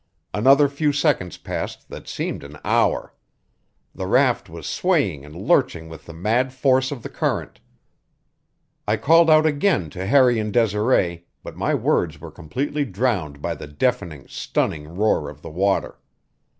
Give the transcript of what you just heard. Another few seconds passed that seemed an hour. The raft was swaying and lurching with the mad force of the current. I called out again to Harry and Desiree, but my words were completely drowned by the deafening, stunning roar of the water.